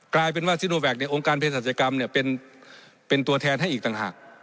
กลายเป็นว่าซิโนแวคองค์การเพศศาจกรรมเป็นตัวแทนให้อีกต่างหาก